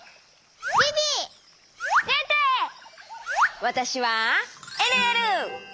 わたしはえるえる！